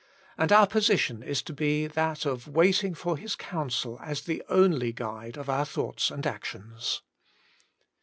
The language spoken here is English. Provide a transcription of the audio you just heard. And our position is to be that of waiting for His counsel as the only guide of our thoughts and actions.